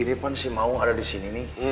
ini kan si maung ada di sini nih